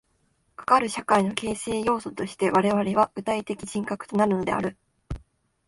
かかる社会の形成要素として我々は具体的人格となるのである。